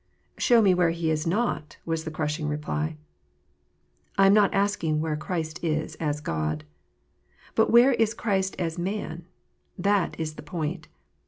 "Show me where He is not," was the crushing reply. I am not asking where Christ is as God. But where is Christ, as Man ? That is the point.